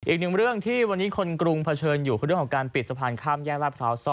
อีกหนึ่งเรื่องที่วันนี้คนกรุงเผชิญอยู่คือเรื่องของการปิดสะพานข้ามแยกลาดพร้าว๒